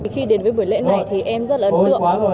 khi đến với buổi lễ này thì em rất là ấn tượng